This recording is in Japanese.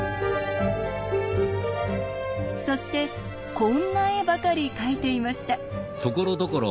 そしてこんな絵ばかり描いていました。